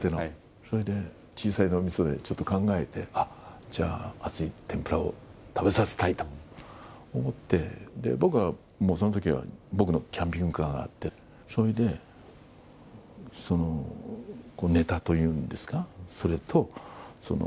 それで、小さい脳みそでちょっと考えて、あっ、じゃあ熱いてんぷらを食べさせたいと思って、僕はそのときは、僕のキャンピングカーがあって、それで、衣とか、油とか。